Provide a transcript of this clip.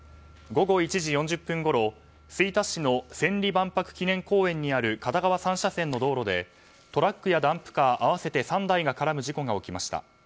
午後１時４０分ごろ吹田市の千里万博記念公園にある片側３車線の道路でトラックやダンプカー合わせて３台が絡む事故が起きました。